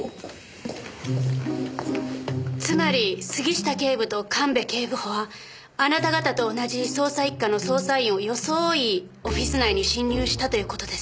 つまり杉下警部と神戸警部補はあなた方と同じ捜査一課の捜査員を装いオフィス内に侵入したという事ですね？